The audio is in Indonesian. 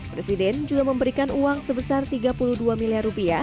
presiden juga memberikan uang sebesar rp tiga puluh dua miliar